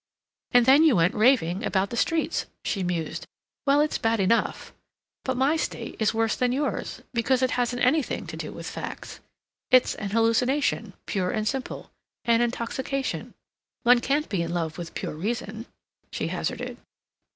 "And then you went raving about the streets," she mused. "Well, it's bad enough. But my state is worse than yours, because it hasn't anything to do with facts. It's an hallucination, pure and simple—an intoxication.... One can be in love with pure reason?" she hazarded.